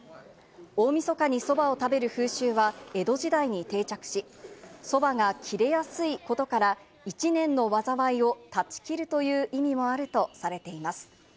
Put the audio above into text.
大みそかにそばを食べる風習は江戸時代に定着し、そばが切れやすいことから、一年の災いを断ち切るという意味